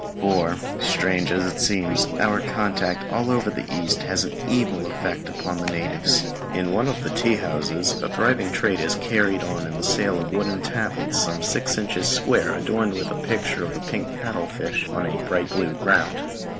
For, strange as it seems, our contact all over the East has an evil effect upon the natives. In one of the tea houses a thriving trade is carried on in the sale of wooden tablets, some six inches square, adorned with the picture of a pink cuttlefish on a bright blue ground.